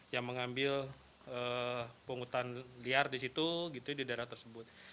yang mengambil pungutan liar di situ gitu di daerah tersebut